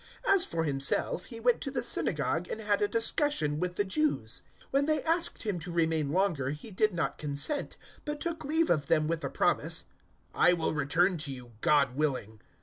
As for himself, he went to the synagogue and had a discussion with the Jews. 018:020 When they asked him to remain longer he did not consent, 018:021 but took leave of them with the promise, "I will return to you, God willing."